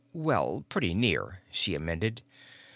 Well, pretty near," she amended.